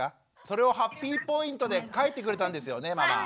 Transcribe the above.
それをハッピーポイントで書いてくれたんですよねママ。